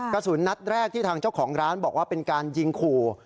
กระสุนนัดแรกที่ทางเจ้าของร้านบอกว่าเป็นการยิงขู่